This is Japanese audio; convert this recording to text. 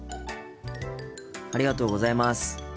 ありがとうございます。